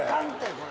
これ。